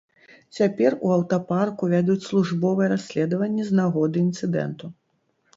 Цяпер у аўтапарку вядуць службовае расследаванне з нагоды інцыдэнту.